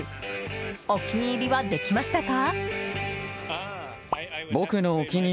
お気に入りはできましたか？